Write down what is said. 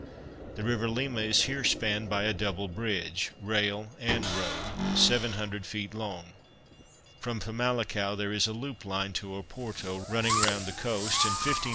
The river Lima is here spanned by a double bridge (rail and road) 700 ft. long. From FAMALICAO there is a loop line to Oporto running round the coast and 15m.